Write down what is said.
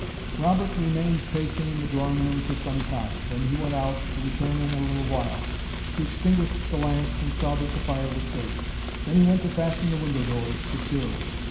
Robert remained pacing in the drawing room for some time. Then he went out, to return in a little while. He extinguished the lamps and saw that the fire was safe. Then he went to fasten the window doors securely.